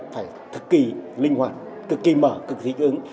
phải thực kỳ linh hoạt cực kỳ mở cực kỳ thích ứng